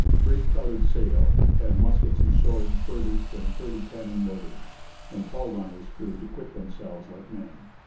Drake crowded sail, had muskets and swords furbished and thirty cannon loaded, and called on his crew to quit themselves like men.